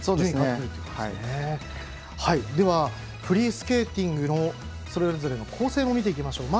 フリースケーティングのそれぞれの構成を見ていきます。